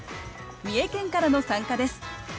三重県からの参加です。